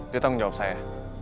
dia tanggung jawab saya